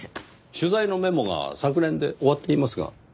取材のメモが昨年で終わっていますが。